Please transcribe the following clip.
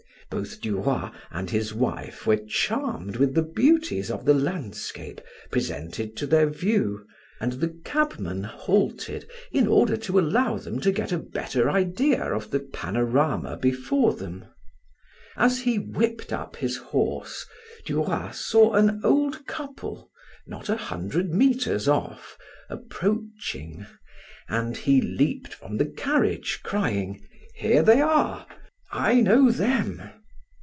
Both Duroy and his wife were charmed with the beauties of the landscape presented to their view, and the cabman halted in order to allow them to get a better idea of the panorama before them. As he whipped up his horse, Duroy saw an old couple not a hundred meters off, approaching, and he leaped from the carriage crying: "Here they are, I know them."